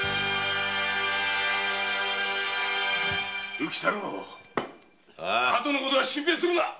浮太郎後のことは心配するな！